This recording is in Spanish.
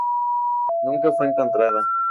Nunca fue encontrada.